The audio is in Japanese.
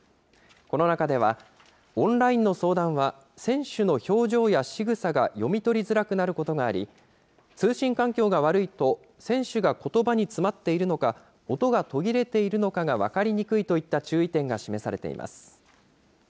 この中では、オンラインの相談は、選手の表情やしぐさが読み取りづらくなることがあり、通信環境が悪いと、選手がことばに詰まっているのか、音が途切れているのかが分かりにくいといった注意点が示されています。